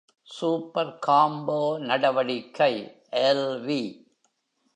Super combo நடவடிக்கை எல்.வி.